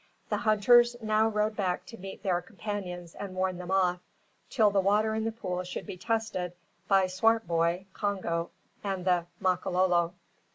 The hunters now rode back to meet their companions and warn them off, till the water in the pool should be tested by Swartboy, Congo, and the Makololo.